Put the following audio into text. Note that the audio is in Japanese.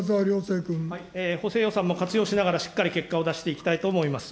補正予算も活用しながら、しっかり結果を出していきたいと思います。